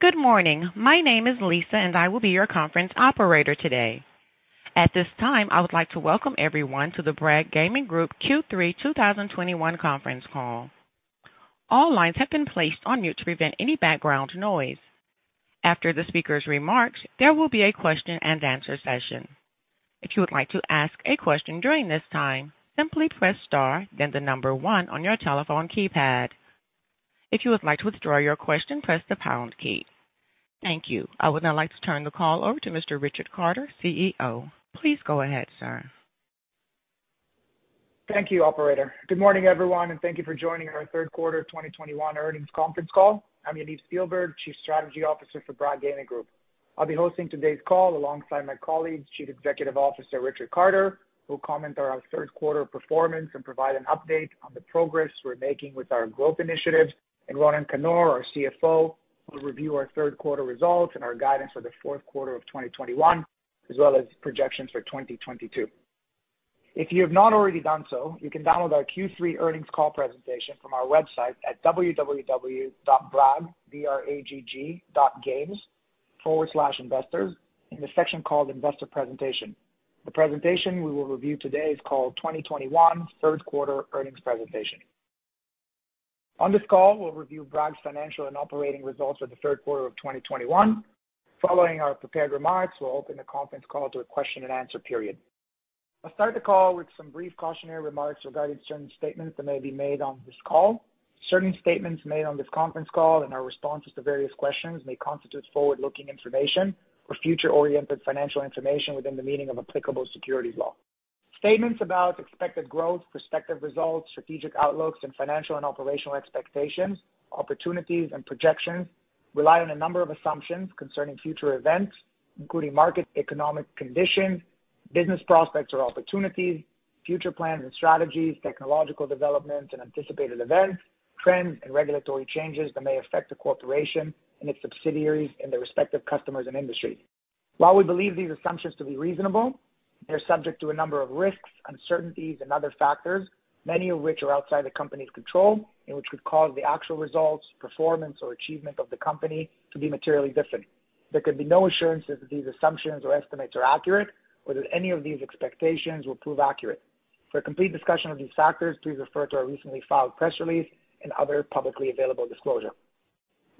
Good morning. My name is Lisa, and I will be your conference operator today. At this time, I would like to welcome everyone to the Bragg Gaming Group Q3 2021 conference call. All lines have been placed on mute to prevent any background noise. After the speaker's remarks, there will be a question and answer session. If you would like to ask a question during this time, simply press star then the number one on your telephone keypad. If you would like to withdraw your question, press the pound key. Thank you. I would now like to turn the call over to Mr. Richard Carter, CEO. Please go ahead, sir. Thank you, operator. Good morning, everyone, and thank you for joining our third quarter 2021 earnings conference call. I'm Yaniv Spielberg, Chief Strategy Officer for Bragg Gaming Group. I'll be hosting today's call alongside my colleague, Chief Executive Officer Richard Carter, who'll comment on our third quarter performance and provide an update on the progress we're making with our growth initiatives. Ronen Kannor, our CFO, will review our third quarter results and our guidance for the fourth quarter of 2021, as well as projections for 2022. If you have not already done so, you can download our Q3 earnings call presentation from our website at www.bragg.games/investors in the section called Investor Presentation. The presentation we will review today is called 2021 Third Quarter Earnings Presentation. On this call, we'll review Bragg's financial and operating results for the third quarter of 2021. Following our prepared remarks, we'll open the conference call to a question and answer period. I'll start the call with some brief cautionary remarks regarding certain statements that may be made on this call. Certain statements made on this conference call and our responses to various questions may constitute forward-looking information or future-oriented financial information within the meaning of applicable securities law. Statements about expected growth, prospective results, strategic outlooks, and financial and operational expectations, opportunities, and projections rely on a number of assumptions concerning future events, including market economic conditions, business prospects or opportunities, future plans and strategies, technological developments and anticipated events, trends and regulatory changes that may affect the corporation and its subsidiaries and their respective customers and industries. While we believe these assumptions to be reasonable, they are subject to a number of risks, uncertainties and other factors, many of which are outside the company's control and which could cause the actual results, performance, or achievement of the company to be materially different. There can be no assurance that these assumptions or estimates are accurate or that any of these expectations will prove accurate. For a complete discussion of these factors, please refer to our recently filed press release and other publicly available disclosure.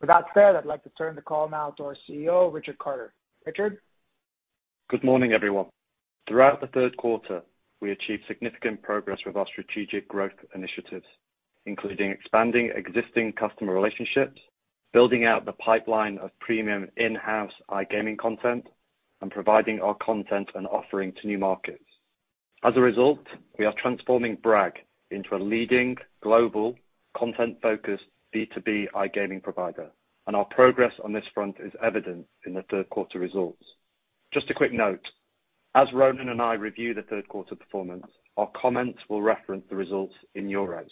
With that said, I'd like to turn the call now to our CEO, Richard Carter. Richard? Good morning, everyone. Throughout the third quarter, we achieved significant progress with our strategic growth initiatives, including expanding existing customer relationships, building out the pipeline of premium in-house iGaming content, and providing our content and offering to new markets. As a result, we are transforming Bragg into a leading global content-focused B2B iGaming provider, and our progress on this front is evident in the third quarter results. Just a quick note. As Ronen and I review the third quarter performance, our comments will reference the results in Euros.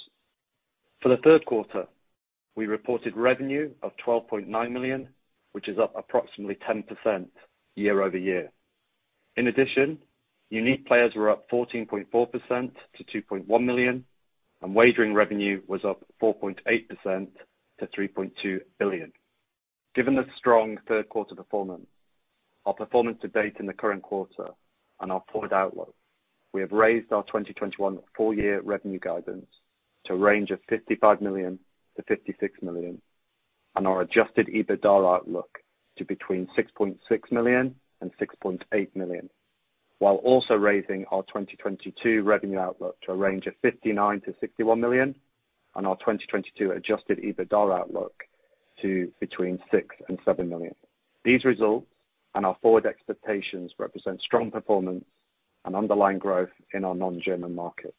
For the third quarter, we reported revenue of 12.9 million, which is up approximately 10% year-over-year. In addition, unique players were up 14.4% to 2.1 million, and wagering revenue was up 4.8% to 3.2 billion. Given the strong third quarter performance, our performance to date in the current quarter and our forward outlook, we have raised our 2021 full year revenue guidance to a range of 55 million-56 million, and our Adjusted EBITDA outlook to between 6.6 million-6.8 million, while also raising our 2022 revenue outlook to a range of 59 million-61 million and our 2022 Adjusted EBITDA outlook to between 6 million-7 million. These results and our forward expectations represent strong performance and underlying growth in our non-German markets.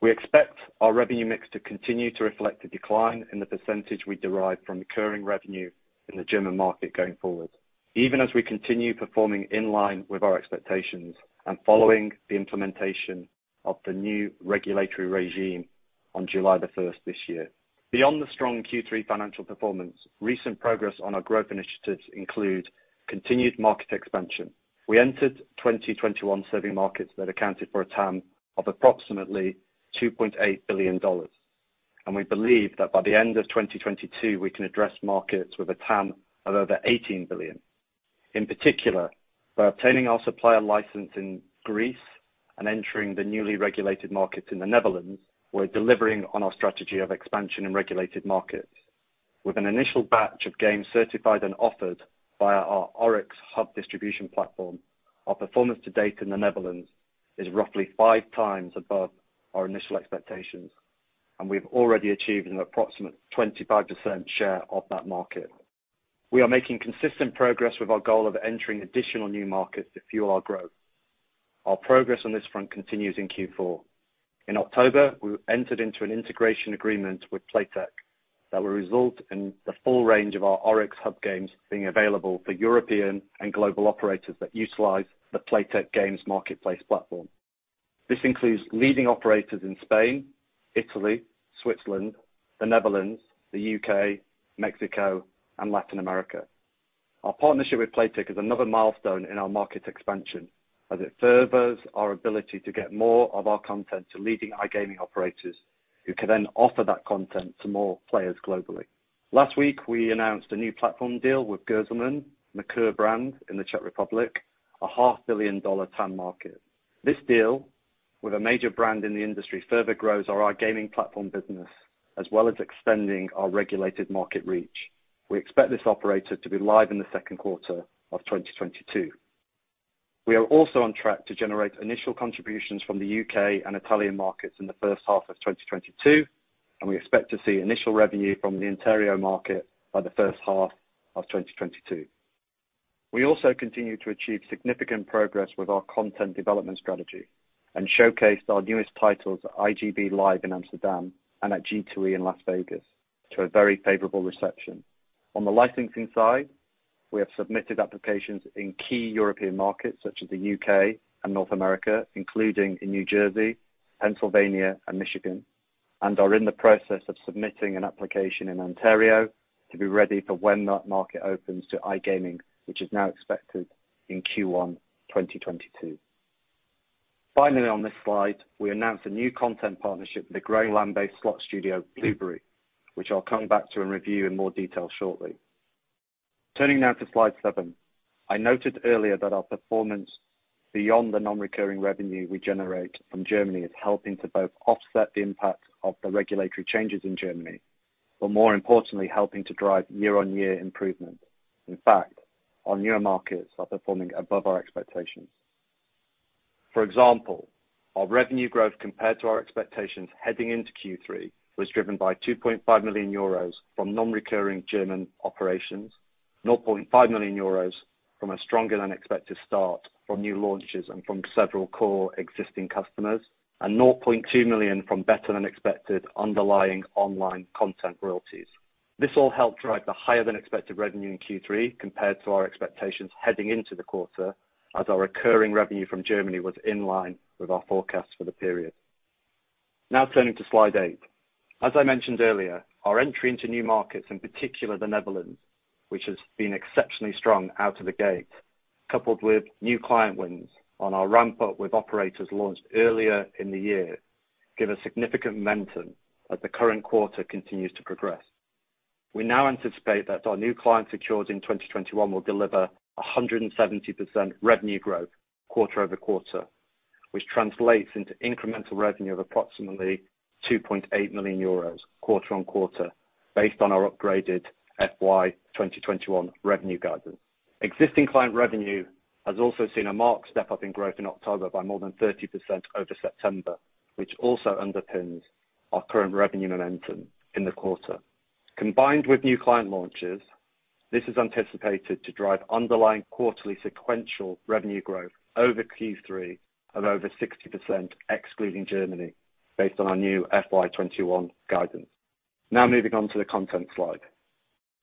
We expect our revenue mix to continue to reflect the decline in the percentage we derive from recurring revenue in the German market going forward, even as we continue performing in line with our expectations and following the implementation of the new regulatory regime on July 1st, 2021. Beyond the strong Q3 financial performance, recent progress on our growth initiatives include continued market expansion. We entered 2021 serving markets that accounted for a TAM of approximately $2.8 billion, and we believe that by the end of 2022 we can address markets with a TAM of over $18 billion. In particular, by obtaining our supplier license in Greece and entering the newly regulated markets in the Netherlands, we're delivering on our strategy of expansion in regulated markets. With an initial batch of games certified and offered via our ORYX Hub distribution platform, our performance to date in the Netherlands is roughly 5x above our initial expectations, and we've already achieved an approximate 25% share of that market. We are making consistent progress with our goal of entering additional new markets to fuel our growth. Our progress on this front continues in Q4. In October, we entered into an integration agreement with Playtech that will result in the full range of our ORYX Hub games being available for European and global operators that utilize the Playtech Games Marketplace platform. This includes leading operators in Spain, Italy, Switzerland, the Netherlands, the U.K., Mexico, and Latin America. Our partnership with Playtech is another milestone in our market expansion as it furthers our ability to get more of our content to leading iGaming operators who can then offer that content to more players globally. Last week, we announced a new platform deal with Sazka, the MERKUR brand in the Czech Republic, a $500,000 TAM market. This deal with a major brand in the industry further grows our iGaming platform business, as well as extending our regulated market reach. We expect this operator to be live in the second quarter of 2022. We are also on track to generate initial contributions from the U.K. and Italian markets in the first half of 2022, and we expect to see initial revenue from the Ontario market by the first half of 2022. We also continue to achieve significant progress with our content development strategy and showcased our newest titles at iGB Live! in Amsterdam and at G2E in Las Vegas to a very favorable reception. On the licensing side, we have submitted applications in key European markets such as the U.K. and North America, including in New Jersey, Pennsylvania and Michigan, and are in the process of submitting an application in Ontario to be ready for when that market opens to iGaming, which is now expected in Q1 2022. Finally, on this slide, we announced a new content partnership with the growing land-based slot studio, Bluberi, which I'll come back to and review in more detail shortly. Turning now to slide seven. I noted earlier that our performance beyond the non-recurring revenue we generate from Germany is helping to both offset the impact of the regulatory changes in Germany, but more importantly, helping to drive year-on-year improvement. In fact, our newer markets are performing above our expectations. For example, our revenue growth compared to our expectations heading into Q3 was driven by 2.5 million euros from non-recurring German operations, 0.5 million euros from a stronger-than-expected start from new launches and from several core existing customers, and 0.2 million from better-than-expected underlying online content royalties. This all helped drive the higher-than-expected revenue in Q3 compared to our expectations heading into the quarter as our recurring revenue from Germany was in line with our forecast for the period. Now turning to slide eight. As I mentioned earlier, our entry into new markets, in particular the Netherlands, which has been exceptionally strong out of the gate, coupled with new client wins on our ramp-up with operators launched earlier in the year, give a significant momentum as the current quarter continues to progress. We now anticipate that our new clients secured in 2021 will deliver 170% revenue growth quarter-over-quarter, which translates into incremental revenue of approximately 2.8 million euros quarter-over-quarter based on our upgraded FY 2021 revenue guidance. Existing client revenue has also seen a marked step-up in growth in October by more than 30% over September, which also underpins our current revenue momentum in the quarter. Combined with new client launches, this is anticipated to drive underlying quarterly sequential revenue growth over Q3 of over 60%, excluding Germany based on our new FY 2021 guidance. Now moving on to the content slide.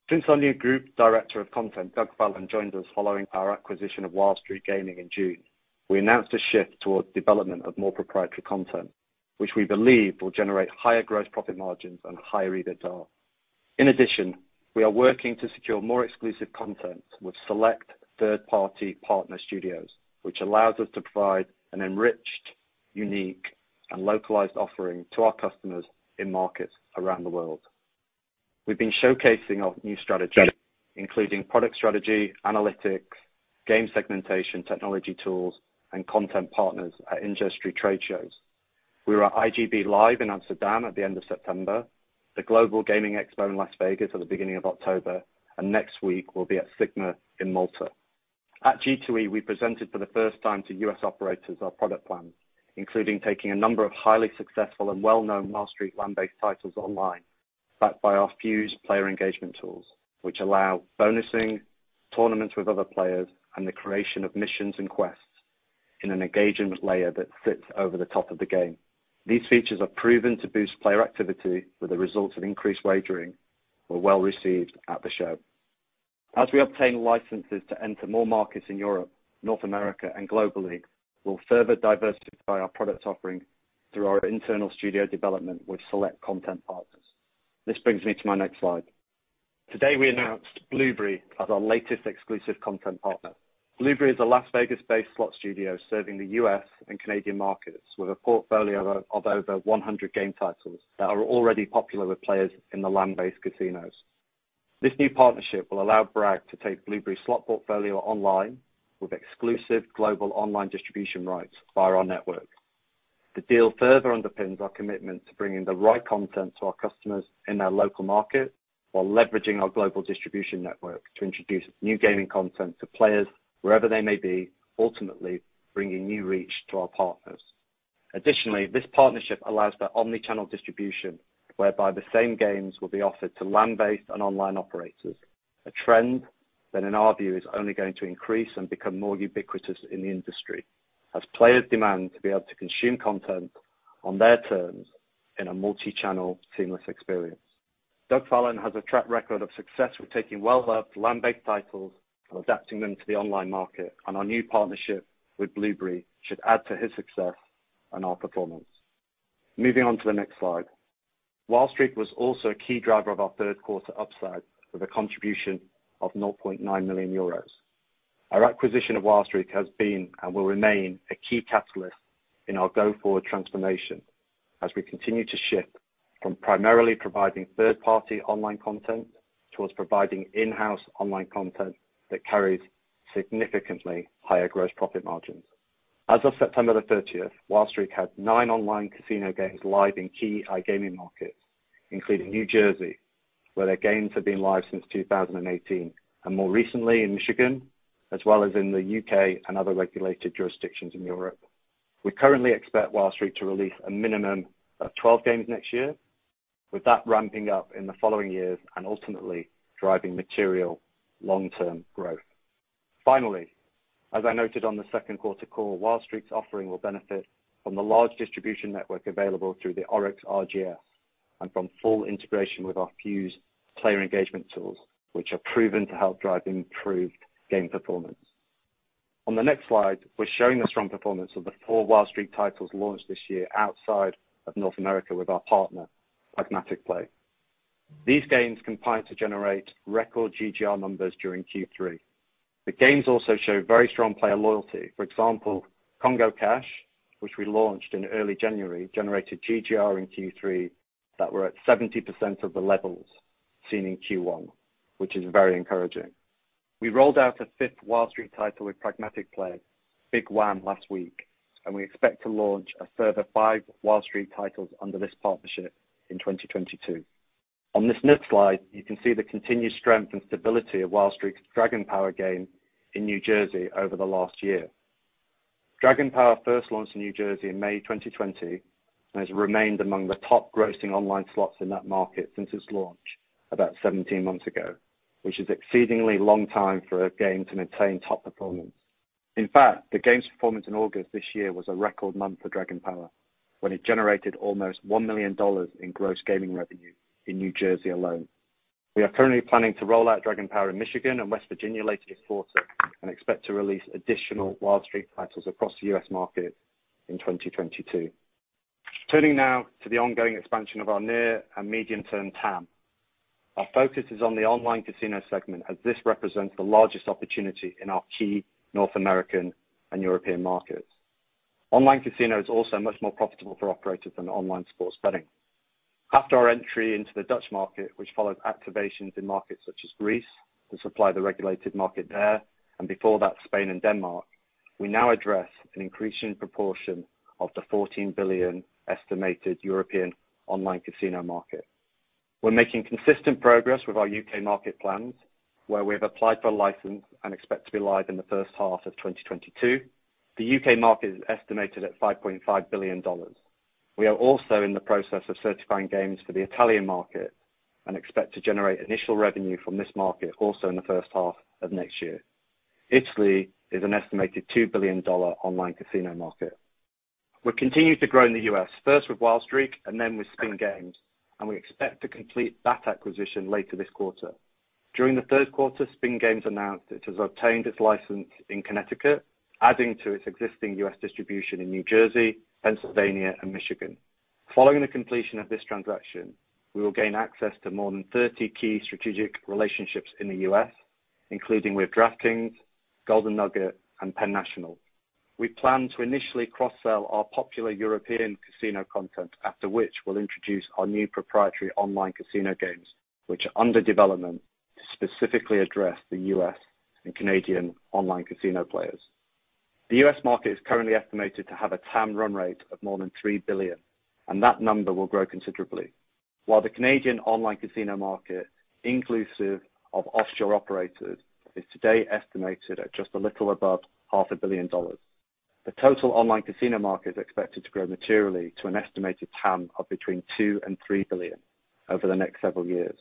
Since our new Group Director of Content, Doug Fallon, joined us following our acquisition of Wild Streak Gaming in June, we announced a shift towards development of more proprietary content, which we believe will generate higher gross profit margins and higher EBITDA. In addition, we are working to secure more exclusive content with select third-party partner studios, which allows us to provide an enriched, unique, and localized offering to our customers in markets around the world. We've been showcasing our new strategy, including product strategy, analytics, game segmentation, technology tools, and content partners at industry trade shows. We were at iGB Live! in Amsterdam at the end of September, the Global Gaming Expo in Las Vegas at the beginning of October, and next week, we'll be at SiGMA in Malta. At G2E, we presented for the first time to U.S. operators our product plan, including taking a number of highly successful and well-known Wild Streak land-based titles online, backed by our Fuze Player Engagement tools, which allow bonusing, tournaments with other players, and the creation of missions and quests in an engagement layer that sits over the top of the game. These features are proven to boost player activity with the result of increased wagering, were well-received at the show. As we obtain licenses to enter more markets in Europe, North America and globally, we'll further diversify our products offering through our internal studio development with select content partners. This brings me to my next slide. Today, we announced Bluberi as our latest exclusive content partner. Bluberi is a Las Vegas-based slot studio serving the U.S. and Canadian markets with a portfolio of over 100 game titles that are already popular with players in the land-based casinos. This new partnership will allow Bragg to take Bluberi slot portfolio online with exclusive global online distribution rights via our network. The deal further underpins our commitment to bringing the right content to our customers in their local market while leveraging our global distribution network to introduce new gaming content to players wherever they may be, ultimately bringing new reach to our partners. Additionally, this partnership allows for omni-channel distribution, whereby the same games will be offered to land-based and online operators, a trend that in our view, is only going to increase and become more ubiquitous in the industry as players demand to be able to consume content on their terms in a multi-channel seamless experience. Doug Fallon has a track record of success with taking well-loved land-based titles and adapting them to the online market, and our new partnership with Bluberi should add to his success and our performance. Moving on to the next slide. Wild Streak was also a key driver of our third quarter upside with a contribution of 9.9 million euros. Our acquisition of Wild Streak has been, and will remain, a key catalyst in our go-forward transformation as we continue to shift from primarily providing third-party online content towards providing in-house online content that carries significantly higher gross profit margins. As of September 30, Wild Streak had nine online casino games live in key iGaming markets, including New Jersey, where their games have been live since 2018, and more recently in Michigan, as well as in the U.K. and other regulated jurisdictions in Europe. We currently expect Wild Streak to release a minimum of 12 games next year, with that ramping up in the following years and ultimately driving material long-term growth. Finally, as I noted on the second quarter call, Wild Streak's offering will benefit from the large distribution network available through the ORYX RGS and from full integration with our Fuze player engagement tools, which are proven to help drive improved game performance. On the next slide, we're showing the strong performance of the four Wild Streak titles launched this year outside of North America with our partner, Pragmatic Play. These games combined to generate record GGR numbers during Q3. The games also show very strong player loyalty. For example, Congo Cash, which we launched in early January, generated GGR in Q3 that were at 70% of the levels seen in Q1, which is very encouraging. We rolled out a fifth Wild Streak title with Pragmatic Play, Big Juan, last week, and we expect to launch a further five Wild Streak titles under this partnership in 2022. On this next slide, you can see the continued strength and stability of Wild Streak's Dragon Power game in New Jersey over the last year. Dragon Power first launched in New Jersey in May 2020 and has remained among the top grossing online slots in that market since its launch about 17 months ago, which is an exceedingly long time for a game to maintain top performance. In fact, the game's performance in August this year was a record month for Dragon Power, when it generated almost $1 million in gross gaming revenue in New Jersey alone. We are currently planning to roll out Dragon Power in Michigan and West Virginia later this quarter and expect to release additional Wild Streak titles across the U.S. market in 2022. Turning now to the ongoing expansion of our near and medium-term TAM. Our focus is on the online casino segment as this represents the largest opportunity in our key North American and European markets. Online casino is also much more profitable for operators than online sports betting. After our entry into the Dutch market, which followed activations in markets such as Greece to supply the regulated market there, and before that, Spain and Denmark, we now address an increasing proportion of the 14 billion estimated European online casino market. We're making consistent progress with our U.K. market plans, where we have applied for a license and expect to be live in the first half of 2022. The U.K. market is estimated at $5.5 billion. We are also in the process of certifying games for the Italian market and expect to generate initial revenue from this market also in the first half of next year. Italy is an estimated $2 billion online casino market. We continue to grow in the U.S., first with Wild Streak and then with Spin Games, and we expect to complete that acquisition later this quarter. During the third quarter, Spin Games announced it has obtained its license in Connecticut, adding to its existing U.S. distribution in New Jersey, Pennsylvania, and Michigan. Following the completion of this transaction, we will gain access to more than 30 key strategic relationships in the U.S., including with DraftKings, Golden Nugget, and PENN National. We plan to initially cross-sell our popular European casino content, after which we'll introduce our new proprietary online casino games which are under development to specifically address the U.S. and Canadian online casino players. The U.S. market is currently estimated to have a TAM run rate of more than $3 billion, and that number will grow considerably. While the Canadian online casino market, inclusive of offshore operators, is today estimated at just a little above half a billion dollars. The total online casino market is expected to grow materially to an estimated TAM of $2 billion-$3 billion over the next several years,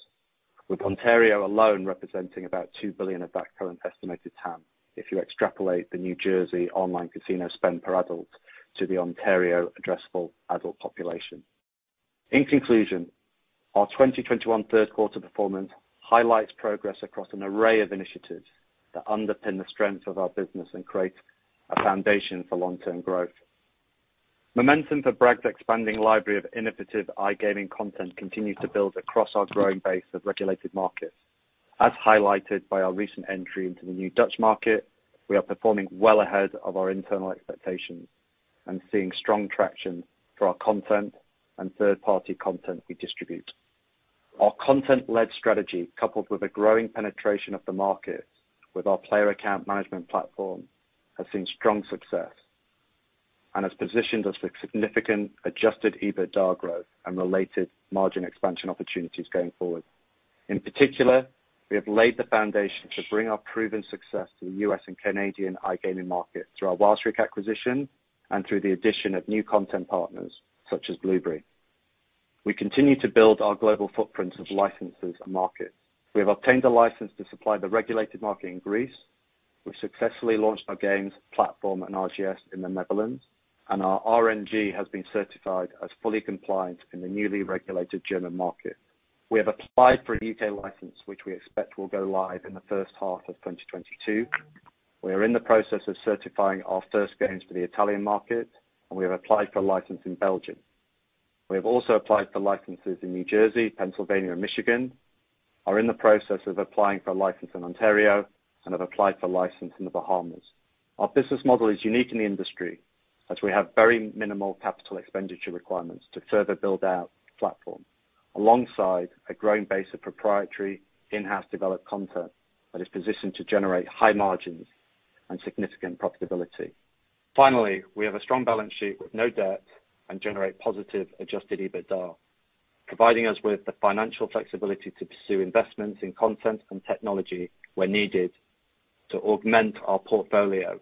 with Ontario alone representing about $2 billion of that current estimated TAM if you extrapolate the New Jersey online casino spend per adult to the Ontario addressable adult population. In conclusion, our 2021 third quarter performance highlights progress across an array of initiatives that underpin the strength of our business and create a foundation for long-term growth. Momentum for Bragg's expanding library of innovative iGaming content continues to build across our growing base of regulated markets. As highlighted by our recent entry into the new Dutch market, we are performing well ahead of our internal expectations and seeing strong traction for our content and third-party content we distribute. Our content-led strategy, coupled with a growing penetration of the markets with our player account management platform, has seen strong success and has positioned us for significant Adjusted EBITDA growth and related margin expansion opportunities going forward. In particular, we have laid the foundation to bring our proven success to the U.S. and Canadian iGaming market through our Wild Streak acquisition and through the addition of new content partners such as Bluberi. We continue to build our global footprint of licenses and markets. We have obtained a license to supply the regulated market in Greece. We've successfully launched our games platform and RGS in the Netherlands, and our RNG has been certified as fully compliant in the newly regulated German market. We have applied for a U.K. license, which we expect will go live in the first half of 2022. We are in the process of certifying our first games for the Italian market, and we have applied for a license in Belgium. We have also applied for licenses in New Jersey, Pennsylvania, and Michigan, are in the process of applying for a license in Ontario, and have applied for a license in the Bahamas. Our business model is unique in the industry as we have very minimal capital expenditure requirements to further build out the platform alongside a growing base of proprietary in-house developed content that is positioned to generate high margins and significant profitability. Finally, we have a strong balance sheet with no debt and generate positive adjusted EBITDA, providing us with the financial flexibility to pursue investments in content and technology where needed to augment our portfolio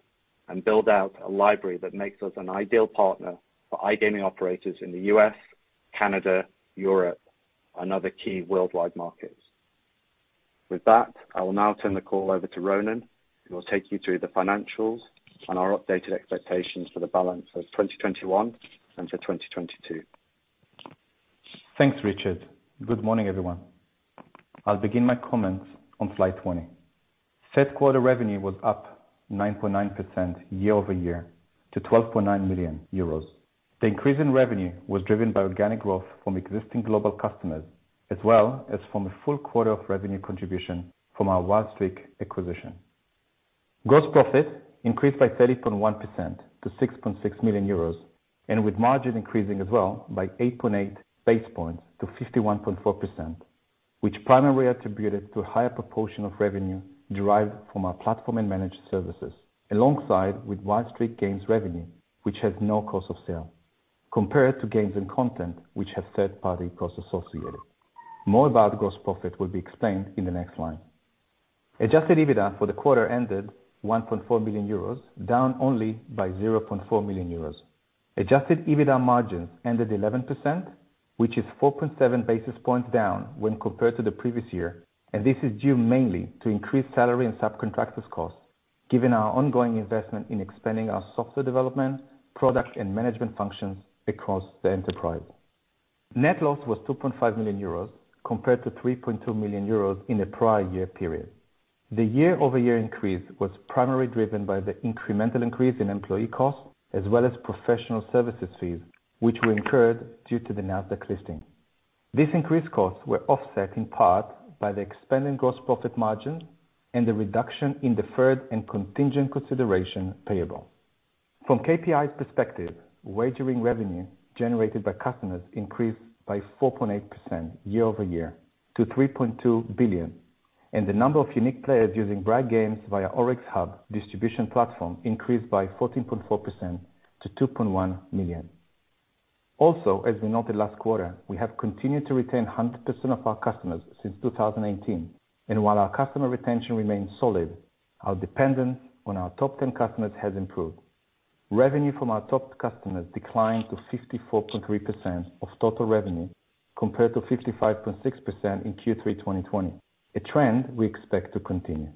and build out a library that makes us an ideal partner for iGaming operators in the U.S., Canada, Europe, and other key worldwide markets. With that, I will now turn the call over to Ronen, who will take you through the financials and our updated expectations for the balance of 2021 and for 2022. Thanks, Richard. Good morning, everyone. I'll begin my comments on slide 20. Third quarter revenue was up 9.9% year-over-year to 12.9 million euros. The increase in revenue was driven by organic growth from existing global customers, as well as from a full quarter of revenue contribution from our Wild Streak acquisition. Gross profit increased by 30.1% to 6.6 million euros, and with margin increasing as well by 8.8 basis points to 51.4%, which primarily attributed to a higher proportion of revenue derived from our platform and managed services, along with Wild Streak Gaming revenue, which has no cost of sales, compared to games and content which have third-party costs associated. More about gross profit will be explained in the next slide. Adjusted EBITDA for the quarter ended 1.4 million euros, down only by 0.4 million euros. Adjusted EBITDA margins ended 11%, which is 4.7 basis points down when compared to the previous year, and this is due mainly to increased salary and subcontractors costs, given our ongoing investment in expanding our software development, product, and management functions across the enterprise. Net loss was 2.5 million euros compared to 3.2 million euros in the prior year period. The year-over-year increase was primarily driven by the incremental increase in employee costs as well as professional services fees, which were incurred due to the Nasdaq listing. These increased costs were offset in part by the expanding gross profit margin and the reduction in deferred and contingent consideration payable. From KPI perspective, wagering revenue generated by customers increased by 4.8% year-over-year to $3.2 billion, and the number of unique players using Bragg games via ORYX Hub distribution platform increased by 14.4% to 2.1 million. Also, as we noted last quarter, we have continued to retain 100% of our customers since 2018. While our customer retention remains solid, our dependence on our top 10 customers has improved. Revenue from our top customers declined to 54.3% of total revenue, compared to 55.6% in Q3 2020. A trend we expect to continue.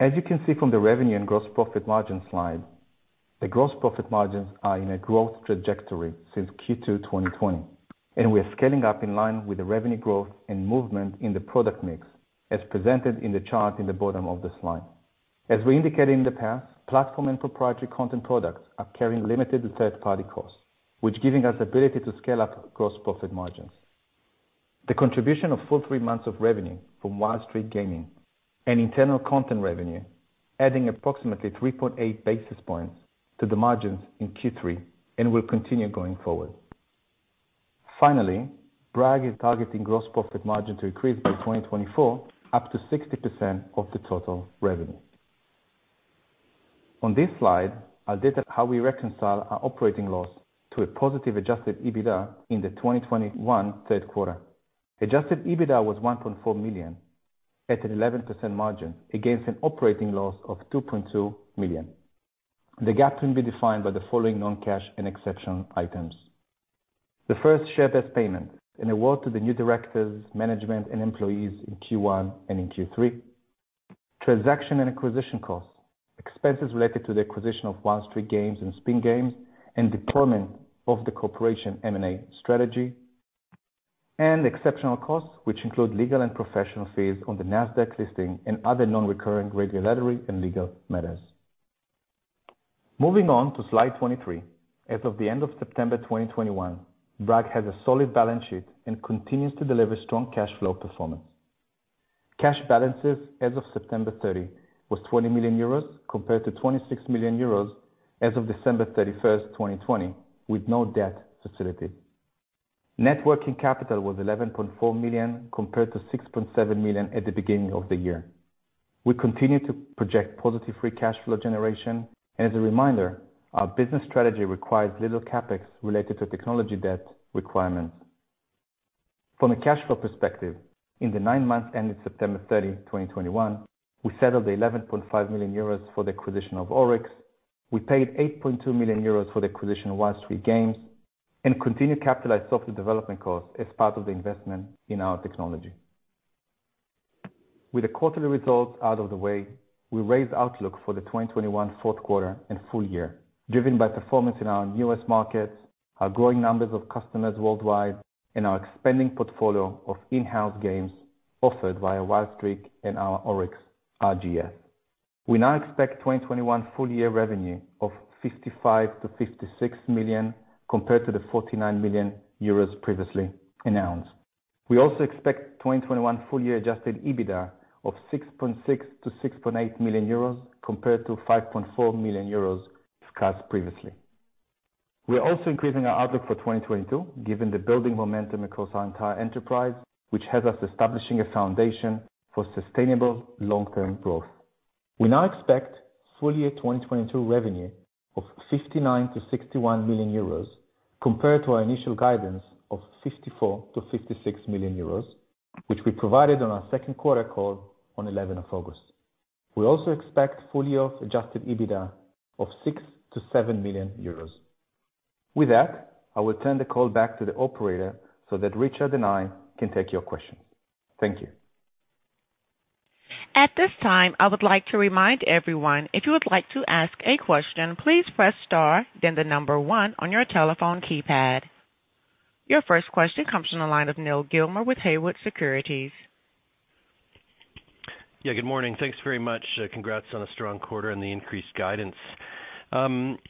As you can see from the revenue and gross profit margin slide, the gross profit margins are in a growth trajectory since Q2 2020, and we are scaling up in line with the revenue growth and movement in the product mix as presented in the chart in the bottom of the slide. As we indicated in the past, platform and proprietary content products are carrying limited third party costs, which giving us ability to scale up gross profit margins. The contribution of full three months of revenue from Wild Streak Gaming and internal content revenue, adding approximately 3.8 basis points to the margins in Q3 and will continue going forward. Finally, Bragg is targeting gross profit margin to increase by 2024 up to 60% of the total revenue. On this slide, I'll detail how we reconcile our operating loss to a positive adjusted EBITDA in the 2021 third quarter. Adjusted EBITDA was 1.4 million at an 11% margin against an operating loss of 2.2 million. The gap can be defined by the following non-cash and exceptional items. The first share-based payment, an award to the new directors, management, and employees in Q1 and in Q3. Transaction and acquisition costs. Expenses related to the acquisition of Wild Streak Gaming and Spin Games, and deployment of the corporation M&A strategy, and exceptional costs, which include legal and professional fees on the Nasdaq listing and other non-recurring regulatory and legal matters. Moving on to slide 23. As of the end of September 2021, Bragg has a solid balance sheet and continues to deliver strong cash flow performance. Cash balances as of September 30 was 20 million euros compared to 26 million euros as of December 31, 2020, with no debt facility. Net working capital was 11.4 million, compared to 6.7 million at the beginning of the year. We continue to project positive free cash flow generation. As a reminder, our business strategy requires little CapEx related to technical debt requirements. From a cash flow perspective, in the nine months ended September 30, 2021, we settled 11.5 million euros for the acquisition of Oryx. We paid 8.2 million euros for the acquisition of Wild Streak Gaming, and continued to capitalize software development costs as part of the investment in our technology. With the quarterly results out of the way, we raised outlook for the 2021 fourth quarter and full year, driven by performance in our newest markets, our growing numbers of customers worldwide, and our expanding portfolio of in-house games offered via Wild Streak and our ORYX RGS. We now expect 2021 full year revenue of 55 million-56 million compared to the 49 million euros previously announced. We also expect 2021 full year Adjusted EBITDA of 6.6 million-6.8 million euros compared to 5.4 million euros discussed previously. We are also increasing our outlook for 2022, given the building momentum across our entire enterprise, which has us establishing a foundation for sustainable long-term growth. We now expect full year 2022 revenue of 59 million-61 million euros compared to our initial guidance of 54 million-56 million euros, which we provided on our second quarter call on 11th of August. We also expect full year Adjusted EBITDA of 6 million-7 million euros. With that, I will turn the call back to the operator so that Richard and I can take your questions. Thank you. At this time, I would like to remind everyone if you would like to ask a question, please press star then the number one on your telephone keypad. Your first question comes from the line of Neal Gilmer with Haywood Securities. Yeah. Good morning. Thanks very much. Congrats on a strong quarter and the increased guidance. I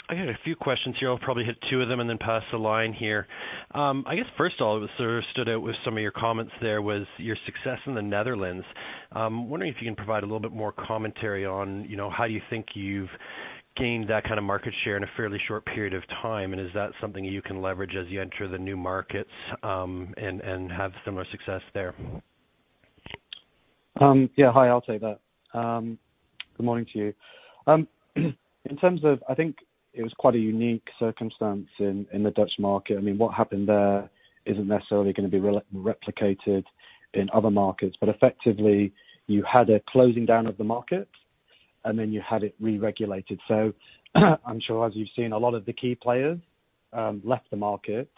got a few questions here. I'll probably hit two of them and then pass the line here. I guess first of all that sort of stood out with some of your comments there was your success in the Netherlands. Wondering if you can provide a little bit more commentary on, you know, how you think you've gained that kind of market share in a fairly short period of time, and is that something you can leverage as you enter the new markets, and have similar success there? Yeah. Hi, I'll take that. Good morning to you. In terms of, I think it was quite a unique circumstance in the Dutch market. I mean, what happened there isn't necessarily gonna be replicated in other markets, but effectively you had a closing down of the market, and then you had it re-regulated. I'm sure as you've seen, a lot of the key players left the market,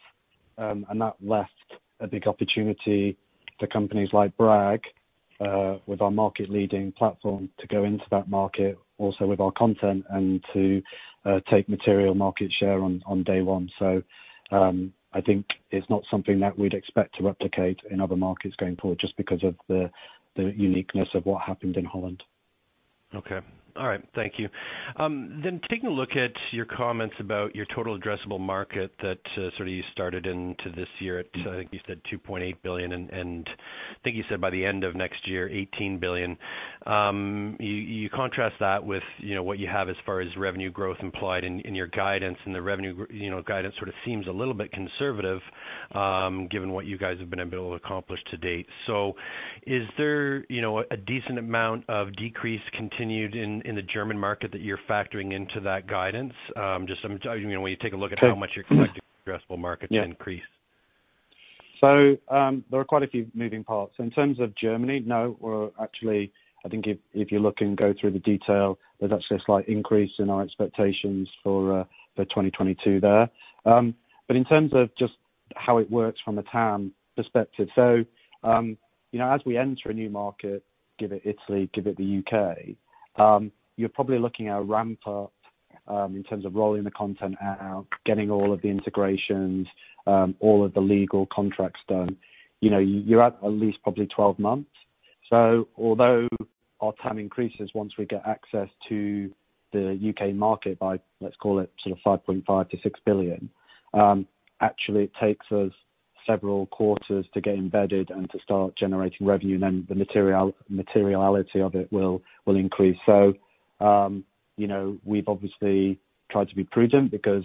and that left a big opportunity for companies like Bragg with our market leading platform to go into that market also with our content and to take material market share on day one. I think it's not something that we'd expect to replicate in other markets going forward just because of the uniqueness of what happened in Holland. Okay. All right. Thank you. Taking a look at your comments about your total addressable market that you started to this year, at, I think you said $2.8 billion, and I think you said by the end of next year, $18 billion. You contrast that with what you have as far as revenue growth implied in your guidance. You know, guidance sort of seems a little bit conservative given what you guys have been able to accomplish to date. Is there a decent amount of continued decrease in the German market that you're factoring into that guidance? Just some. You know, when you take a look at how much. Okay. You're expecting addressable markets to increase. Yeah. There are quite a few moving parts. In terms of Germany, no. We're actually. I think if you look and go through the detail, there's actually a slight increase in our expectations for 2022 there. In terms of just how it works from a TAM perspective. You know, as we enter a new market, give it Italy, give it the U.K., you're probably looking at a ramp up in terms of rolling the content out, getting all of the integrations, all of the legal contracts done. You know, you're at least probably 12 months. Although our TAM increases once we get access to the U.K. market by, let's call it sort of $5.5 billion-$6 billion, actually it takes us several quarters to get embedded and to start generating revenue, and then the materiality of it will increase. You know, we've obviously tried to be prudent because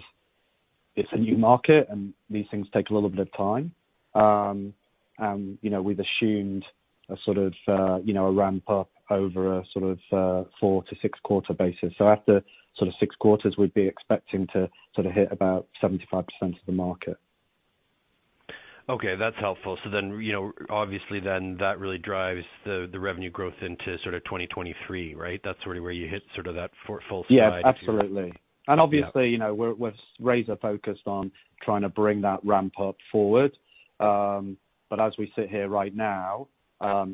it's a new market and these things take a little bit of time. You know, we've assumed a sort of a ramp up over a sort of four to six-quarter basis. After sort of six quarters, we'd be expecting to sort of hit about 75% of the market. Okay. That's helpful. You know, obviously then that really drives the revenue growth into sort of 2023, right? That's sort of where you hit sort of that full slide here. Yeah, absolutely. Yeah. Obviously, you know, we're laser focused on trying to bring that ramp up forward. As we sit here right now,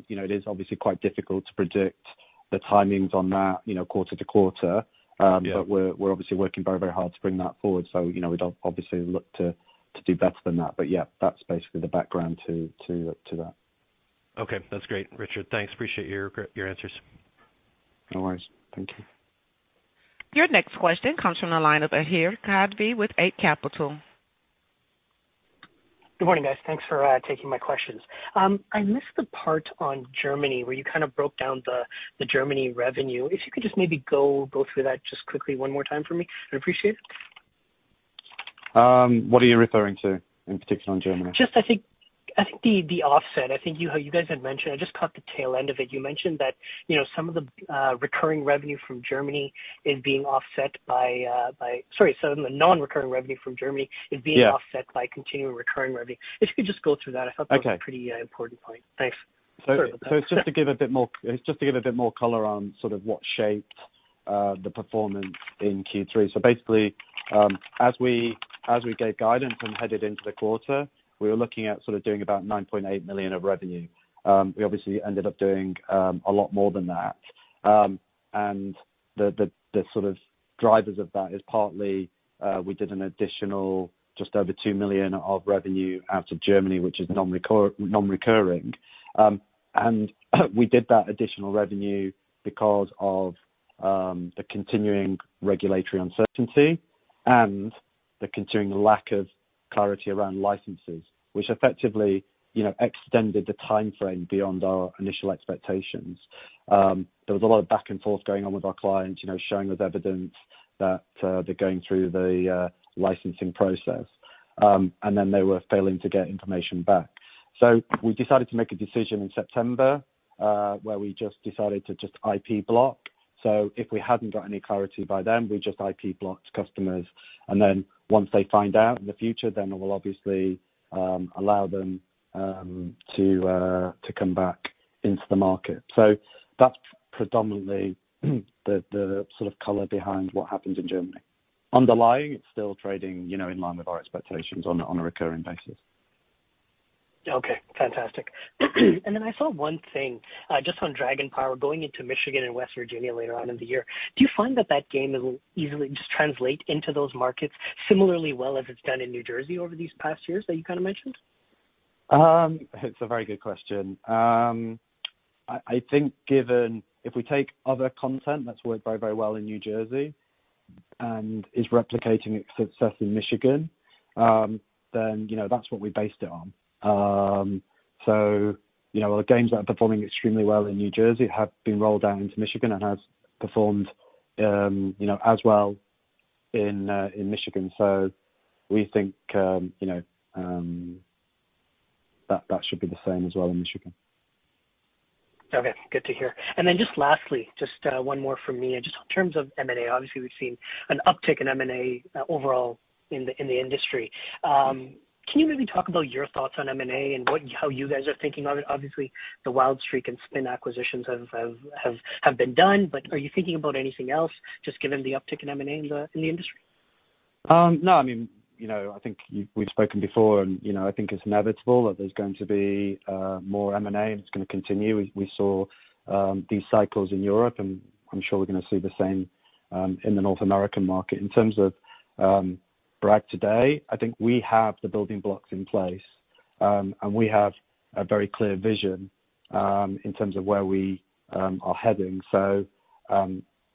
you know, it is obviously quite difficult to predict the timings on that, you know, quarter to quarter. Yeah. We're obviously working very, very hard to bring that forward. You know, we'd obviously look to do better than that. Yeah, that's basically the background to that. Okay. That's great, Richard. Thanks. Appreciate your answers. No worries. Thank you. Your next question comes from the line of Adhir Kadve with Eight Capital. Good morning, guys. Thanks for taking my questions. I missed the part on Germany where you kind of broke down the Germany revenue. If you could just maybe go through that just quickly one more time for me, I'd appreciate it. What are you referring to in particular in Germany? I think the offset. I just caught the tail end of it. You mentioned that, you know, some of the recurring revenue from Germany is being offset by. Sorry, some of the non-recurring revenue from Germany is being. Yeah. Offset by continuing recurring revenue. If you could just go through that. Okay. I thought that was a pretty important point. Thanks. Sorry about that. It's just to give a bit more color on sort of what shaped the performance in Q3. Basically, as we gave guidance and headed into the quarter, we were looking at sort of doing about 9.8 million of revenue. We obviously ended up doing a lot more than that. The drivers of that is partly, we did an additional just over 2 million of revenue out of Germany, which is non-recurring. We did that additional revenue because of the continuing regulatory uncertainty and the continuing lack of clarity around licenses, which effectively, you know, extended the timeframe beyond our initial expectations. There was a lot of back-and-forth going on with our clients, you know, showing us evidence that they're going through the licensing process. They were failing to get information back. We decided to make a decision in September, where we just decided to just IP block. If we hadn't got any clarity by then, we just IP blocked customers, and then once they find out in the future, then we'll obviously allow them to come back into the market. That's predominantly the sort of color behind what happened in Germany. Underlying, it's still trading, you know, in line with our expectations on a recurring basis. Okay. Fantastic. Then I saw one thing, just on Dragon Power going into Michigan and West Virginia later on in the year. Do you find that game will easily just translate into those markets similarly well as it's done in New Jersey over these past years that you kinda mentioned? It's a very good question. I think given if we take other content that's worked very, very well in New Jersey and is replicating its success in Michigan, then, you know, that's what we based it on. You know, the games that are performing extremely well in New Jersey have been rolled out into Michigan and have performed, you know, as well in Michigan. We think, you know, that should be the same as well in Michigan. Okay. Good to hear. Just lastly, one more from me. Just in terms of M&A, obviously, we've seen an uptick in M&A overall in the industry. Can you maybe talk about your thoughts on M&A and how you guys are thinking of it? Obviously, the Wild Streak and Spin acquisitions have been done, but are you thinking about anything else just given the uptick in M&A in the industry? No. I mean, you know, I think we've spoken before and, you know, I think it's inevitable that there's going to be more M&A, and it's gonna continue. We saw these cycles in Europe, and I'm sure we're gonna see the same in the North American market. In terms of Bragg today, I think we have the building blocks in place, and we have a very clear vision in terms of where we are heading.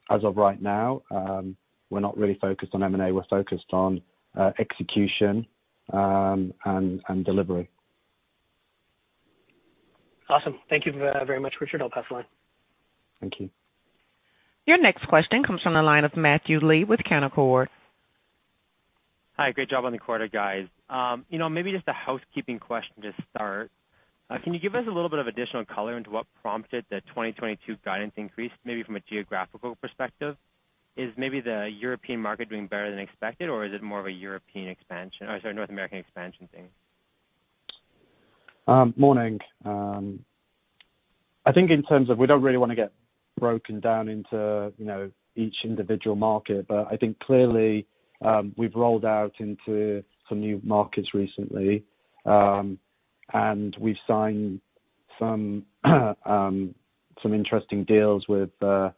As of right now, we're not really focused on M&A. We're focused on execution and delivery. Awesome. Thank you very much, Richard. I'll pass the line. Thank you. Your next question comes from the line of Matthew Lee with Canaccord. Hi. Great job on the quarter, guys. You know, maybe just a housekeeping question to start. Can you give us a little bit of additional color into what prompted the 2022 guidance increase maybe from a geographical perspective? Is maybe the European market doing better than expected, or is it more of a North American expansion thing? Morning. I think in terms of, we don't really wanna get broken down into, you know, each individual market. I think clearly, we've rolled out into some new markets recently, and we've signed some interesting deals with some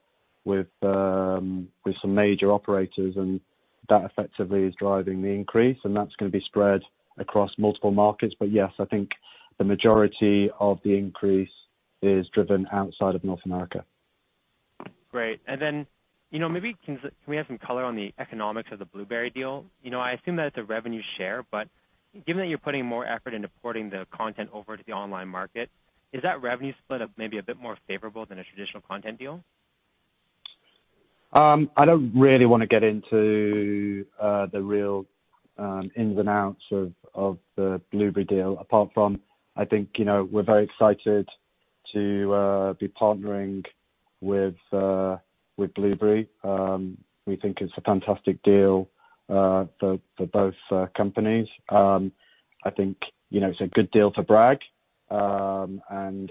major operators, and that effectively is driving the increase, and that's gonna be spread across multiple markets. Yes, I think the majority of the increase is driven outside of North America. Great. You know, maybe can we have some color on the economics of the Bluberi deal? You know, I assume that it's a revenue share, but given that you're putting more effort into porting the content over to the online market, is that revenue split up maybe a bit more favorable than a traditional content deal? I don't really wanna get into the real ins and outs of the Bluberi deal apart from, I think, you know, we're very excited to be partnering with Bluberi. We think it's a fantastic deal for both companies. I think, you know, it's a good deal for Bragg, and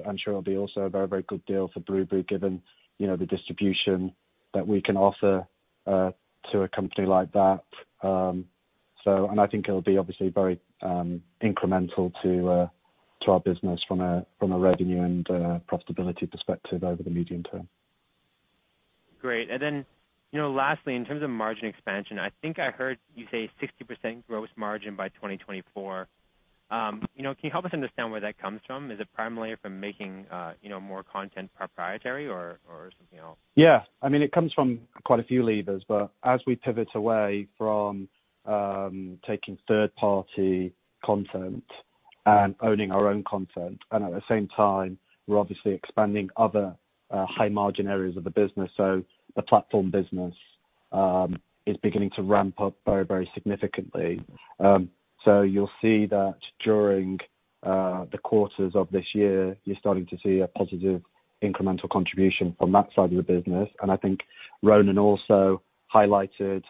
I'm sure it'll be also a very good deal for Bluberi given, you know, the distribution that we can offer to a company like that. I think it'll be obviously very incremental to our business from a revenue and a profitability perspective over the medium term. Great. You know, lastly, in terms of margin expansion, I think I heard you say 60% gross margin by 2024. You know, can you help us understand where that comes from? Is it primarily from making, you know, more content proprietary or something else? Yeah. I mean, it comes from quite a few levers. As we pivot away from taking third-party content and owning our own content, and at the same time, we're obviously expanding other high margin areas of the business. The platform business is beginning to ramp up very, very significantly. You'll see that during the quarters of this year, you're starting to see a positive incremental contribution from that side of the business. I think Ronen also highlighted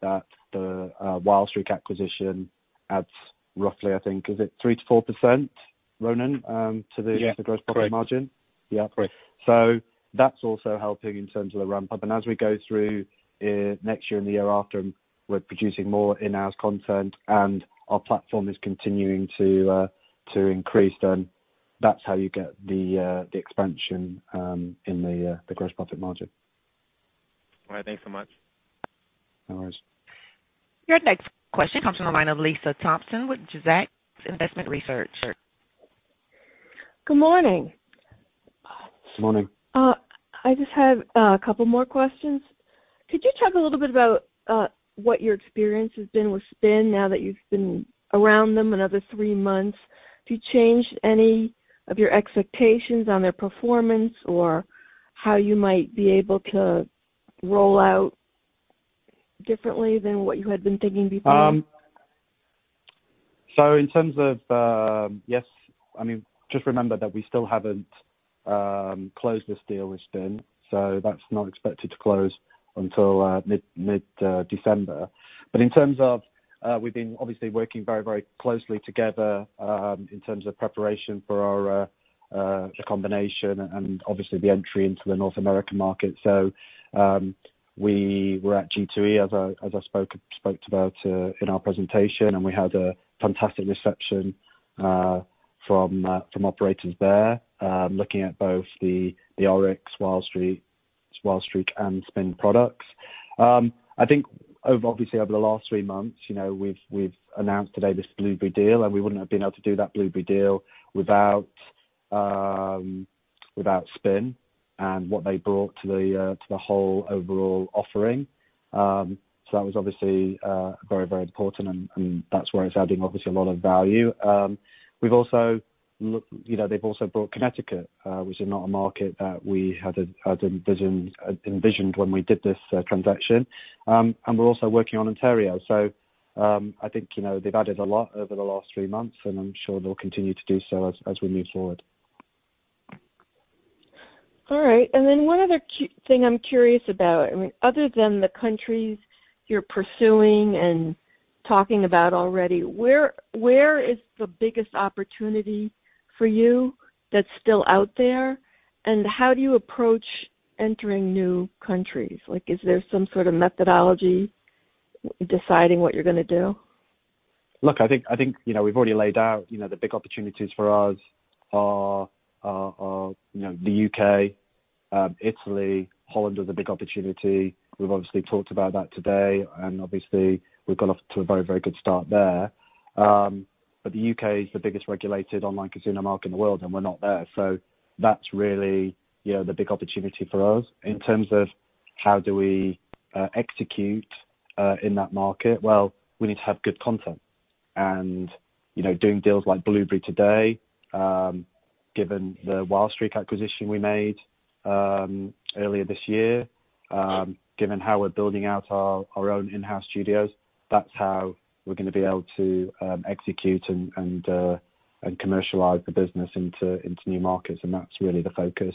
that the Wild Streak acquisition adds roughly, I think. Is it 3%-4%, Ronen? Yeah. To the. Correct. Gross profit margin? Yeah. Correct. That's also helping in terms of the ramp-up. As we go through next year and the year after, and we're producing more in-house content and our platform is continuing to increase, then, that's how you get the expansion in the gross profit margin. All right. Thanks so much. No worries. Your next question comes from the line of Lisa Thompson with Zacks Investment Research. Good morning. Morning. I just have a couple more questions. Could you talk a little bit about what your experience has been with Spin now that you've been around them another three months? Have you changed any of your expectations on their performance or how you might be able to roll out differently than what you had been thinking before? In terms of, yes, I mean, just remember that we still haven't closed this deal with Spin, so that's not expected to close until mid-December. In terms of, we've been obviously working very, very closely together, in terms of preparation for the combination and obviously the entry into the North American market. We were at G2E, as I spoke about, in our presentation, and we had a fantastic reception from operators there, looking at both the Oryx, Wild Streak and Spin products. I think, obviously, over the last three months, you know, we've announced today this Bluberi deal, and we wouldn't have been able to do that Bluberi deal without Spin and what they brought to the whole overall offering. That was obviously very important, and that's where it's adding obviously a lot of value. We've also, you know, they've also brought Connecticut, which is not a market that we had envisioned when we did this transaction. We're also working on Ontario. I think, you know, they've added a lot over the last three months, and I'm sure they'll continue to do so as we move forward. All right. One other thing I'm curious about, I mean, other than the countries you're pursuing and talking about already, where is the biggest opportunity for you that's still out there? How do you approach entering new countries? Like, is there some sort of methodology deciding what you're gonna do? Look, I think you know, we've already laid out you know, the big opportunities for us are you know, the U.K., Italy. Holland is a big opportunity. We've obviously talked about that today, and obviously we've got off to a very good start there. The U.K. is the biggest regulated online casino market in the world, and we're not there. That's really you know, the big opportunity for us. In terms of how do we execute in that market, well, we need to have good content. You know, doing deals like Bluberi today, given the Wild Streak acquisition we made earlier this year, given how we're building out our own in-house studios, that's how we're gonna be able to execute and commercialize the business into new markets, and that's really the focus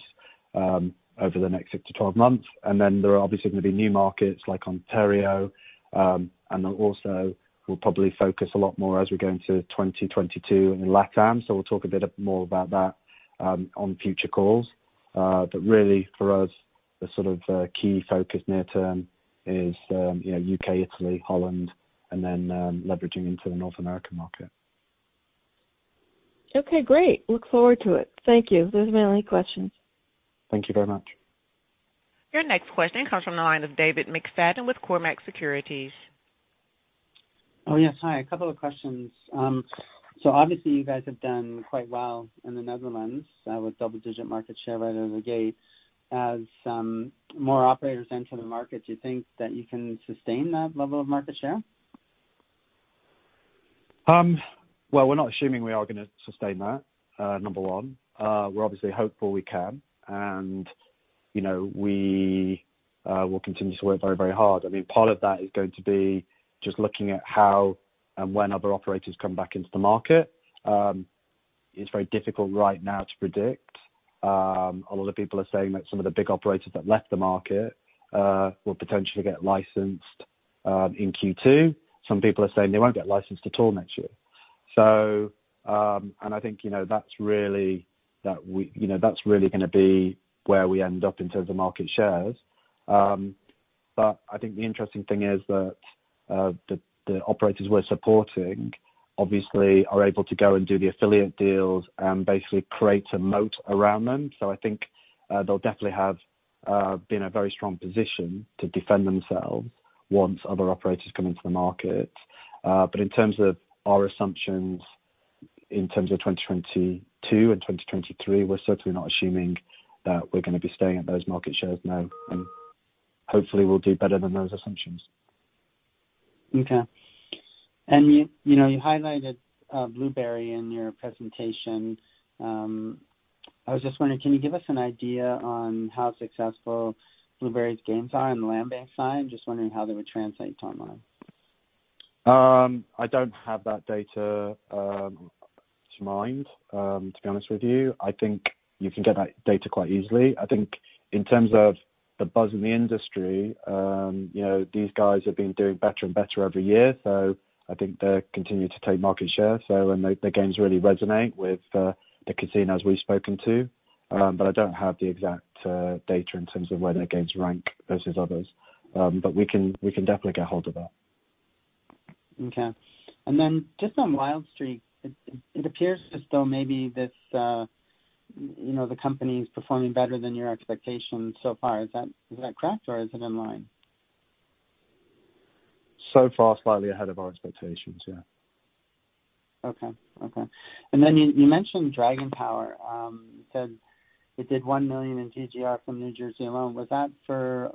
over the next six to 12 months. There are obviously gonna be new markets like Ontario, and then also we'll probably focus a lot more as we go into 2022 in LATAM. We'll talk a bit more about that on future calls. Really for us, the sort of key focus near term is, you know, UK, Italy, Holland, and then leveraging into the North American market. Okay, great. Look forward to it. Thank you. Those are my only questions. Thank you very much. Your next question comes from the line of David McFadgen with Cormark Securities. Oh, yes. Hi. A couple of questions. Obviously you guys have done quite well in the Netherlands, with double-digit market share right out of the gate. As more operators enter the market, do you think that you can sustain that level of market share? Well, we're not assuming we are gonna sustain that, number one. We're obviously hopeful we can. You know, we will continue to work very, very hard. I mean, part of that is going to be just looking at how and when other operators come back into the market. It's very difficult right now to predict. A lot of people are saying that some of the big operators that left the market will potentially get licensed in Q2. Some people are saying they won't get licensed at all next year. I think, you know, that's really gonna be where we end up in terms of market shares. I think the interesting thing is that the operators we're supporting obviously are able to go and do the affiliate deals and basically create a moat around them. I think they'll definitely have been in a very strong position to defend themselves once other operators come into the market. In terms of our assumptions in terms of 2022 and 2023, we're certainly not assuming that we're gonna be staying at those market shares, no. Hopefully we'll do better than those assumptions. Okay. You know, you highlighted Bluberi in your presentation. I was just wondering, can you give us an idea on how successful Bluberi's games are in the land-based side? I'm just wondering how they would translate online? I don't have that data, to be honest with you. I think you can get that data quite easily. I think in terms of the buzz in the industry, you know, these guys have been doing better and better every year, so I think they'll continue to take market share. The games really resonate with the casinos we've spoken to. But I don't have the exact data in terms of where their games rank versus others. But we can definitely get hold of that. Okay. Just on Wild Streak, it appears as though maybe this, you know, the company's performing better than your expectations so far. Is that correct or is it in line? So far, slightly ahead of our expectations, yeah. Okay. You mentioned Dragon Power. You said it did $1 million in GGR from New Jersey alone. Was that for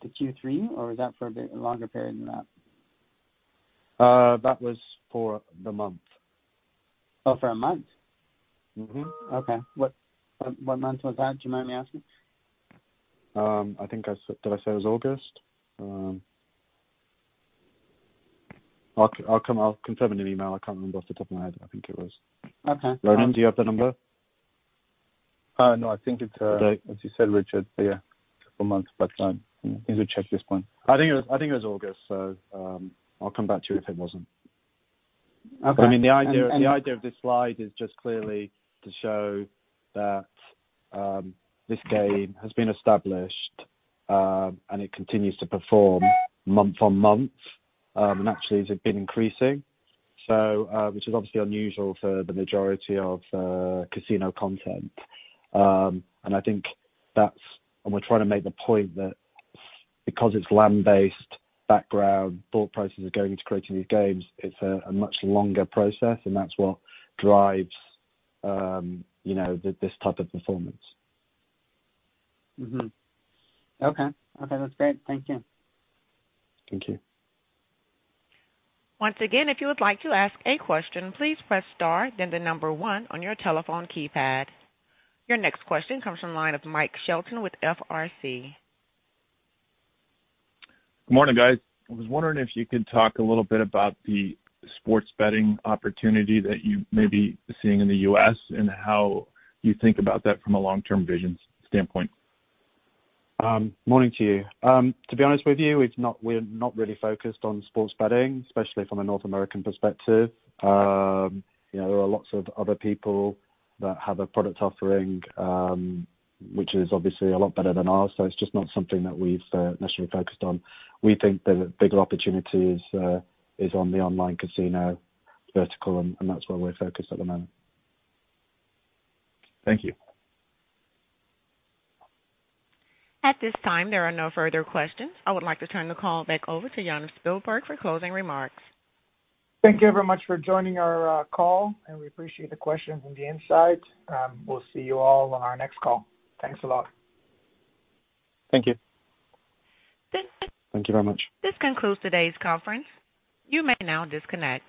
the Q3 or was that for a bit longer period than that? That was for the month. Oh, for a month? Mm-hmm. Okay. What month was that? Do you mind me asking? I think, I said. Did I say it was August? I'll confirm in an email. I can't remember off the top of my head. I think it was. Okay. Ronen, do you have the number? No. I think it's, as you said, Richard. Yeah, a couple months back then. Need to check this one. I think it was August, so I'll come back to you if it wasn't. Okay. I mean, the idea of this slide is just clearly to show that, this game has been established, and it continues to perform month-on-month, and actually has been increasing. Which is obviously unusual for the majority of, casino content. I think that's. We're trying to make the point that because it's land-based background, thought process are going into creating these games, it's a much longer process and that's what drives, you know, this type of performance. Okay. Okay, that's great. Thank you. Thank you. Once again if you would like to ask a question please press star and the number one on your telephone keypad. Your next question comes from the line of Mike Shelton with FRC. Good morning, guys. I was wondering if you could talk a little bit about the sports betting opportunity that you may be seeing in the U.S. and how you think about that from a long-term vision standpoint. Morning to you. To be honest with you, we're not really focused on sports betting, especially from a North American perspective. You know, there are lots of other people that have a product offering, which is obviously a lot better than ours, so it's just not something that we've necessarily focused on. We think the bigger opportunity is on the online casino vertical, and that's where we're focused at the moment. Thank you. At this time, there are no further questions. I would like to turn the call back over to Yaniv Spielberg for closing remarks. Thank you very much for joining our call, and we appreciate the questions and the insights. We'll see you all on our next call. Thanks a lot. Thank you. Thank you very much. This concludes today's conference. You may now disconnect.